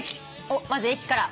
おっまず駅から。